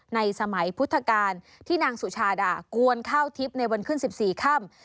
ในสมัยพุทธกาลที่นางสุชาดากวนข้าวทิพย์ในวันขึ้น๑๔ค่ำ